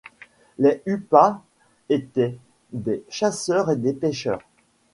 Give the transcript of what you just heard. Les Hupas étaient des chasseurs et des pêcheurs.